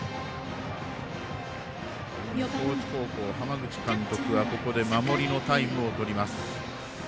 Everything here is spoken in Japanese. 高知高校、浜口監督はここで守りのタイムをとります。